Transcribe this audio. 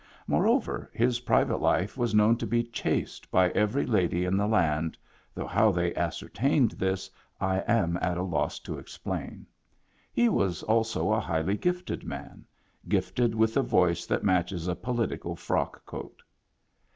Moreover, his private life was known to be chaste by every lady in the land, though how they ascertained this I am at a loss to explain. He was also a highly gifted man; gifted with the voice that matches a political frock coat.